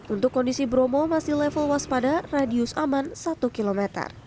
untuk kondisi bromo masih level waspada radius aman satu km